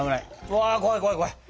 わ怖い怖い怖い。